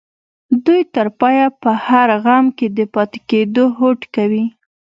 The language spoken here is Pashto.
دوی تر پايه په هر غم کې د پاتې کېدو هوډ کوي.